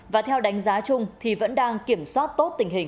và theo đánh giá chung thì vẫn đang kiểm soát tốt tình hình